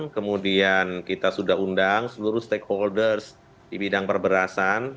kemudian kita sudah undang seluruh stakeholders di bidang perberasan